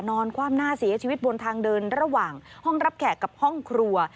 ความหน้าเสียชีวิตบนทางเดินระหว่างห้องรับแขกกับห้องครัว